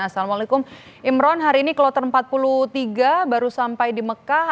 assalamualaikum imron hari ini kloter empat puluh tiga baru sampai di mekah